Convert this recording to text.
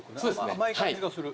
甘い感じがする。